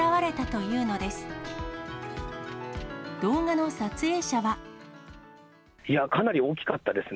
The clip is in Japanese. いや、かなり大きかったですね。